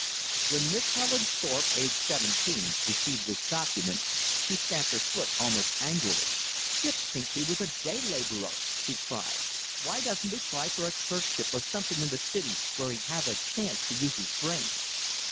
When Miss Helen Thorpe, aged seventeen, received this document she stamped her foot almost angrily. "You'd think he was a day laborer!" she cried. "Why doesn't he try for a clerkship or something in the city where he'd have a chance to use his brains!"